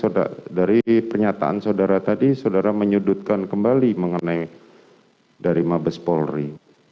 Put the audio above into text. saudara dari pernyataan saudara tadi saudara menyudutkan kembali mengenai dari mabes polri